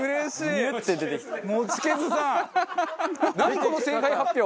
この正解発表。